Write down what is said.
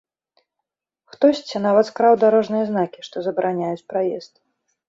Хтосьці нават скраў дарожныя знакі, што забараняюць праезд.